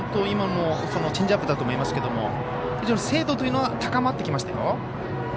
今もチェンジアップだと思いますけど非常に精度というのは高まってきましたよ。